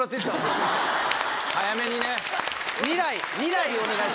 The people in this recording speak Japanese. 早めにね。